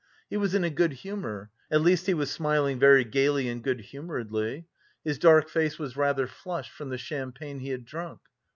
He was in a good humour, at least he was smiling very gaily and good humouredly. His dark face was rather flushed from the champagne he had drunk.